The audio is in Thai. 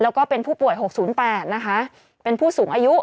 แล้วก็เป็นผู้ป่วย๖๐๘นะคะเป็นผู้สูงอายุ